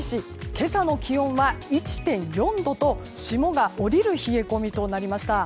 今朝の気温は１．４度と霜が降りる冷え込みとなりました。